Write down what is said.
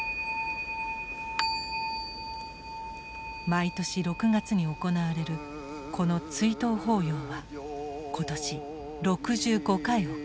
毎年６月に行われるこの追悼法要は今年６５回を数える。